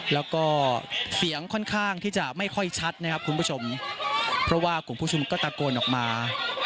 แล้วก็เสียงค่อนข้างที่จะไม่ค่อยชัดนะครับคุณผู้ชมเพราะว่ากลุ่มผู้ชุมนุมก็ตะโกนออกมา